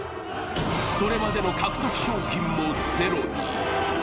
それまでの獲得賞金もゼロに。